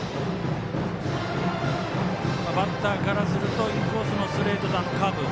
バッターからするとインコースのストレートカーブ。